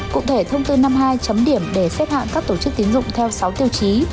cụ thể thông tư năm mươi hai chấm điểm để xếp hạng các tổ chức tín dụng theo sáu tiêu chí